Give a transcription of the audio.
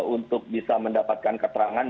untuk bisa mendapatkan keterangan